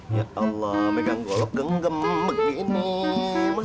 ya allah pegang golok genggam